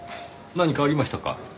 何かありましたか？